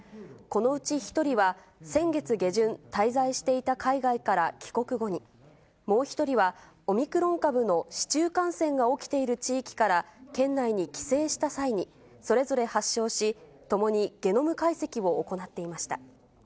このうち１人は、先月下旬、滞在していた海外から帰国後に、もう１人は、オミクロン株の市中感染が起きている地域から県内に帰省した際にそれぞれ発症し、ともにゲノム解析を行っていました。